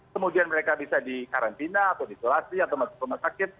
kemudian mereka bisa dikarantina atau di isolasi atau di rumah sakit